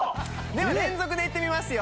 では連続でいってみますよ。